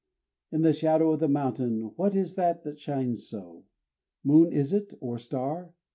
_ In the shadow of the mountain What is it that shines so? Moon is it, or star?